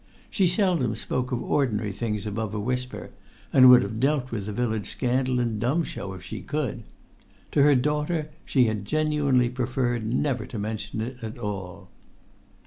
She seldom spoke of ordinary things above a whisper, and would have dealt with the village scandal in dumb show if she could. To her daughter she had genuinely preferred never to mention it at all.